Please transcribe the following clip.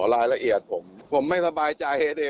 รายละเอียดผมผมไม่สบายใจดิ